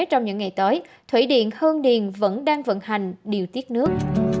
trong những ngày tới thủy điện hương điền vẫn đang vận hành điều tiết nước